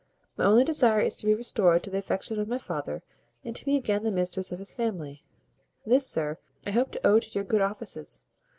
My only desire is to be restored to the affection of my father, and to be again the mistress of his family. This, sir, I hope to owe to your good offices.